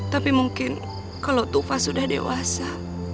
tapi mungkin kalau tufa sudah dewasa